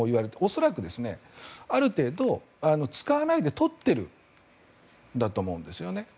恐らく、ある程度使わないで取っているんだと思うんです。